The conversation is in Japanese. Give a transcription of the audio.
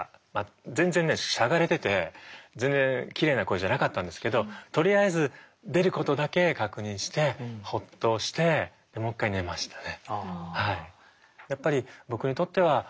全然ねしゃがれてて全然きれいな声じゃなかったんですけどとりあえず出ることだけ確認してホッとしてもう一回寝ましたね。